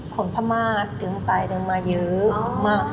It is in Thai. ขนพะมาสเดิมไปเดิมมาเยอะ